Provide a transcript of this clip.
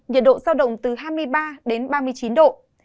nhiệt độ giao động từ hai mươi ba đến ba mươi chín độ